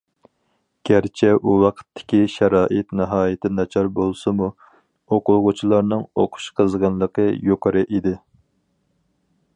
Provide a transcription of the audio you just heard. گەرچە ئۇ ۋاقىتتىكى شارائىت ناھايىتى ناچار بولسىمۇ، ئوقۇغۇچىلارنىڭ ئوقۇش قىزغىنلىقى يۇقىرى ئىدى.